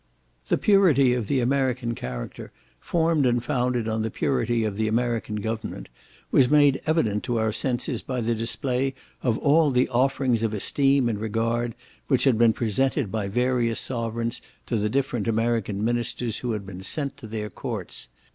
The purity of the American character, formed and founded on the purity of the American government, was made evident to our senses by the display of all the offerings of esteem and regard which had been presented by various sovereigns to the different American ministers who had been sent to their courts.